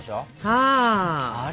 はあ！